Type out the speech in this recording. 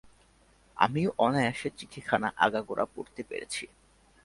আমিও অনায়াসে চিঠিখানা আগাগোড়া পড়তে পেরেছি।